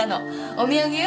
お土産よ